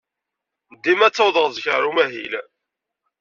Dima ttawḍeɣ zik ɣer umahil.